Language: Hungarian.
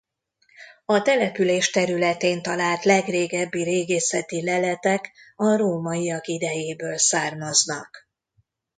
A település területén talált legrégebbi régészeti leletek a rómaiak idejéből származnak.